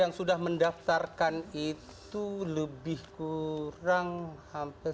yang sudah mendaftarkan itu lebih kurang hampir seribu lima ratus